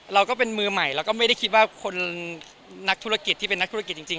เราก็เป็นมือใหม่เราก็ไม่ได้คิดว่าคนนักธุรกิจที่เป็นนักธุรกิจจริง